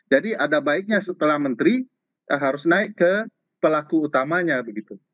jadi ada baiknya setelah menteri harus naik ke pelaku utamanya begitu